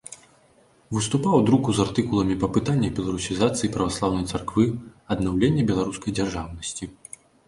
Выступаў у друку з артыкуламі па пытаннях беларусізацыі праваслаўнай царквы, аднаўлення беларускай дзяржаўнасці.